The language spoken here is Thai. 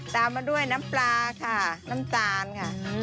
ตามมาด้วยน้ำปลาค่ะน้ำตาลค่ะ